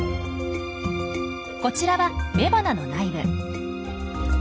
こちらは雌花の内部。